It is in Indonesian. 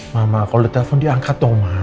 mama kalau ditelepon diangkat dong ma